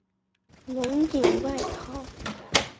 侬锦外逃。